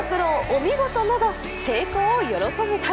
お見事など、成功を喜ぶ声